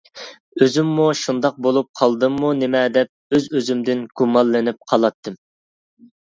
ئۆزۈممۇ شۇنداق بولۇپ قالدىممۇ نېمە دەپ ئۆز-ئۆزۈمدىن گۇمانلىنىپ قالاتتىم.